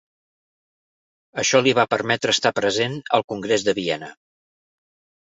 Això li va permetre estar present al Congrés de Viena.